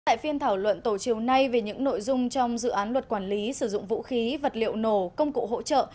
tại phiên thảo luận tổ chiều nay về những nội dung trong dự án luật quản lý sử dụng vũ khí vật liệu nổ công cụ hỗ trợ